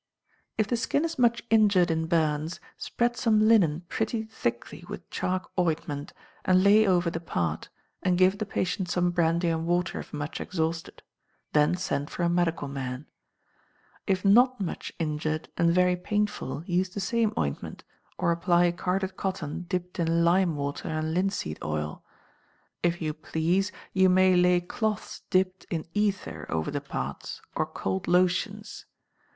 If the skin is much injured in burns, spread some linen pretty thickly with chalk ointment, and lay over the part, and give the patient some brandy and water if much exhausted; then send for a medical man. If not much injured, and very painful, use the same ointment, or apply carded cotton dipped in lime water and linseed oil. If you please, you may lay cloths dipped in ether over the parts, or cold lotions.